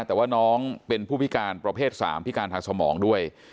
แต่ว่าน้องเป็นผู้พิการประเภท๓พิการทางสมองด้วย